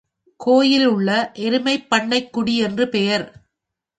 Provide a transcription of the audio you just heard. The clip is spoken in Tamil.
கோயிலிலுள்ள எருமைப்பண்ணைக்கு டி என்று பெயர்.